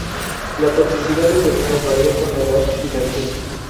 La toxicidad del veneno varía con la edad y la especie.